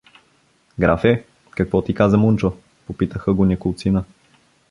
— Графе, какво ти каза Мунчо? — попитаха го неколцина.